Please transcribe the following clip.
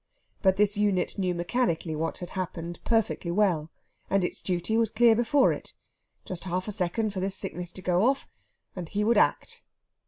But this unit knew mechanically what had happened perfectly well, and its duty was clear before it. Just half a second for this sickness to go off, and he would act.